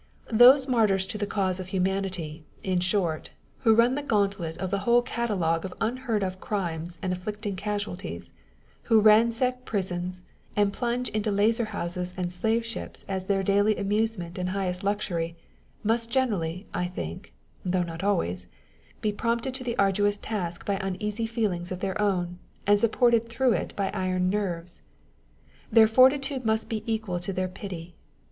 Those martyrs to the cause of humanity, in short, who run the gauntlet of the whole catalogue of unheard of crimes and afflicting casualties, who ransack prisons, and plunge into lazarhouses and slave ships as their daily amusement and highest luxury, must generally, I think (though not always), be prompted to the arduous task by uneasy feelings of their own, and supported through it by iron nerves. Their fortitude must be equal to their pity.